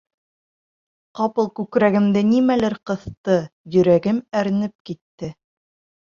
Ҡапыл күкрәгемде нимәлер ҡыҫты, йөрәгем әрнеп китте...